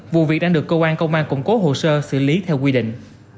vụ việc đang được cơ quan công an củng cố hồ sơ xử lý theo quy định